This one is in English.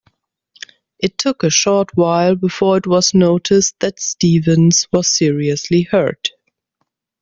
It took a short while before it was noticed that Stevens was seriously hurt.